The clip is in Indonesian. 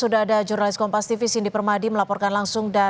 kapan akan dirayakan khususnya